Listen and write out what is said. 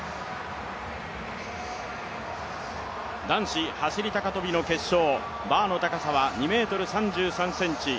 男子走高跳の決勝、バーの高さは２ｍ３３ｃｍ。